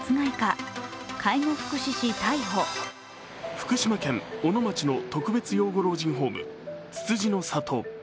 福島県小野町の特別養護老人ホーム・つつじの里。